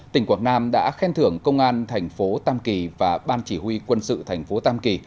tỉnh quảng nam đã khen thưởng công an thành phố tam kỳ và ban chỉ huy quân sự thành phố tam kỳ